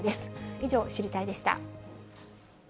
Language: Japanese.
以上、知りたいッ！でした。